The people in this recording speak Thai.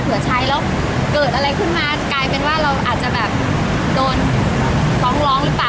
ใช้แล้วเกิดอะไรขึ้นมากลายเป็นว่าเราอาจจะแบบโดนฟ้องร้องหรือเปล่า